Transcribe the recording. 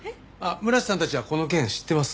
村瀬さんたちはこの件知ってます。